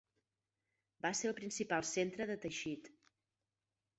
Va ser el principal centre de teixit.